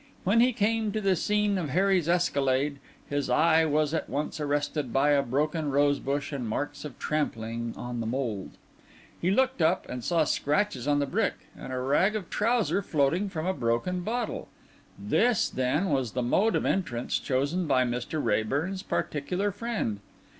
When he came to the scene of Harry's escalade, his eye was at once arrested by a broken rosebush and marks of trampling on the mould. He looked up, and saw scratches on the brick, and a rag of trouser floating from a broken bottle. This, then, was the mode of entrance chosen by Mr. Raeburn's particular friend!